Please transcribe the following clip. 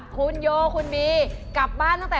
โปรดติดตามต่อไป